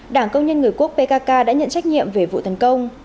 đảng công nhân người quốc pkk đã nhận trách nhiệm về vụ tấn công